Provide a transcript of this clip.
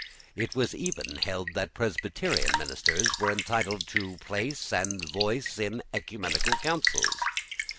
It was even held that Presbyterian ministers were entitled to place and voice in oecumenical councils.